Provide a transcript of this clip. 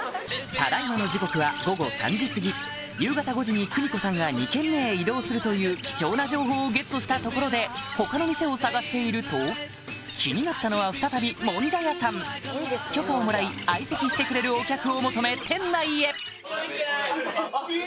ただ今の時刻は午後３時過ぎ夕方５時に邦子さんが２軒目へ移動するという貴重な情報をゲットしたところで他の店を探していると気になったのは再びもんじゃ屋さん許可をもらい相席してくれるお客を求め店内へ・えっ！